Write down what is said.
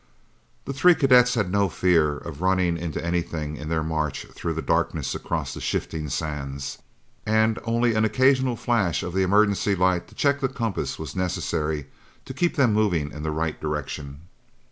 The three cadets had no fear of running into anything in their march through the darkness across the shifting sands. And only an occasional flash of the emergency light to check the compass was necessary to keep them moving in the right direction.